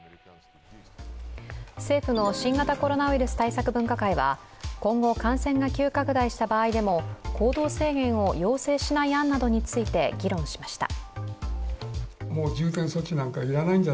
政府の新型コロナウイルス対策分科会は今後感染が急拡大した場合でも行動制限を要請しない案などについて、議論しました。